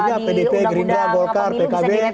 di undang undang pkb